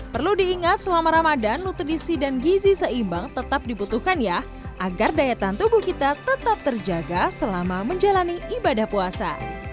perlu diingat selama ramadan nutrisi dan gizi seimbang tetap dibutuhkan ya agar daya tahan tubuh kita tetap terjaga selama menjalani ibadah puasa